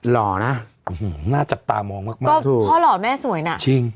หล่อนะน่าจับตามองมากมากก็คือพ่อหล่อแม่สวยน่ะจริง